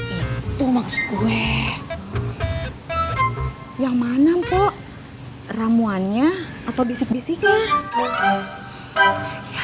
itu maksud gue yang mana mpok ramuannya atau bisik bisiknya